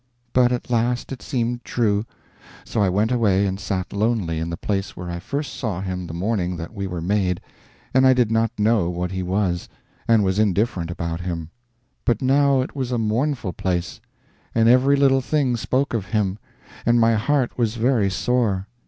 But at last it seemed true, so I went away and sat lonely in the place where I first saw him the morning that we were made and I did not know what he was and was indifferent about him; but now it was a mournful place, and every little thing spoke of him, and my heart was very sore.